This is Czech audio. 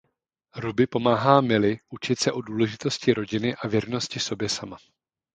Ruby pomáhá Miley učit se o důležitosti rodiny a věrnosti sobě sama.